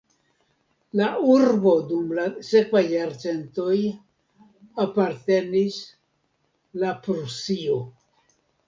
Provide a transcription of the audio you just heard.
La urbo dum la sekvaj jarcentoj apartenis la Prusio.